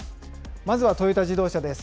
まずはトヨタ自動車です。